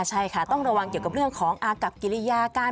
ใช่ค่ะต้องระวังเกี่ยวกับเรื่องของอากับกิริยาการ